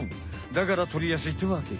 だからとりやすいってわけ。